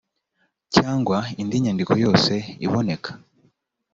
cyangwa indi nyandiko yose iboneka